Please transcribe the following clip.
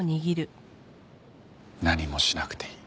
何もしなくていい。